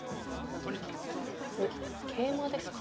おっケイマですか。